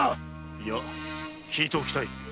いや聞いておきたい。